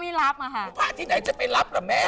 พระที่ไหนจะไปรับล่ะแม่